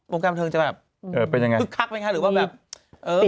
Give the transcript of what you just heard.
วงการบันเทิงจะแบบคึกคักไหมคะหรือว่าแบบ